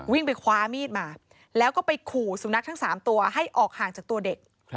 วิ่งไปคว้ามีดมาแล้วก็ไปขู่สุนัขทั้ง๓ตัวให้ออกห่างจากตัวเด็ก